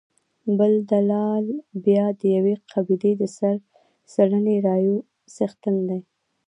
بل دلال بیا د یوې قبیلې د سل سلنې رایو څښتن دی.